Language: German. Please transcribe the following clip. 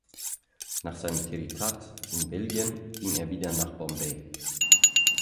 Nach seinem Tertiat in Belgien ging er wieder nach Bombay.